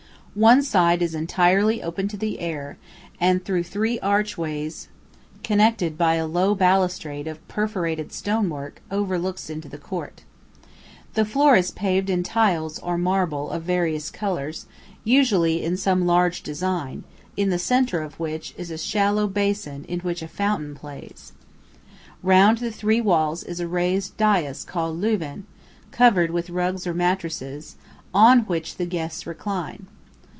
One side is entirely open to the air, and through three archways connected by a low balustrade of perforated stonework overlooks the court. The floor is paved in tiles or marble of various colours, usually in some large design, in the centre of which is a shallow basin in which a fountain plays. Round the three walls is a raised daīs called "lewan," covered with rugs or mattresses, on which the guests recline.